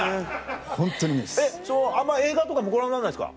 あんま映画とかもご覧になんないですか？